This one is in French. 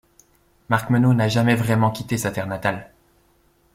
Marc Meneau n’a jamais vraiment quitté sa terre natale.